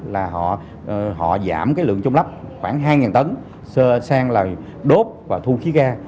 là họ giảm cái lượng chôm lấp khoảng hai tấn sang là đốt và thu khí ga